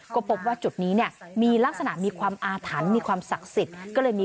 ก็บอกว่าจุดนี้มีลักษณะมีความอาถรรมมีความศักดิ์สิทธิ์